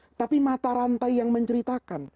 tetapi mata rantai yang menceritakan